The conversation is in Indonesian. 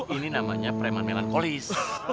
ini namanya preman melankolis